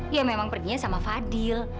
ya memang perginya sama fadil